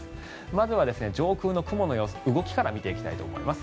まずは上空の雲の様子動きから見ていきたいと思います。